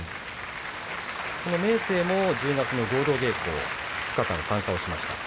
明生も１０月の合同稽古２日間、参加しました。